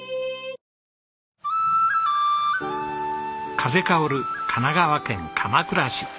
風薫る神奈川県鎌倉市。